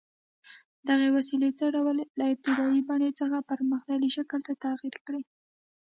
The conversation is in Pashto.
دغې وسیلې څه ډول له ابتدايي بڼې څخه پرمختللي شکل ته تغییر کړی؟